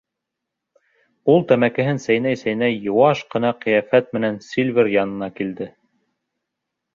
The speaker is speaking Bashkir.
Ул тәмәкеһен сәйнәй-сәйнәй йыуаш ҡына ҡиәфәт менән Сильвер янына килде.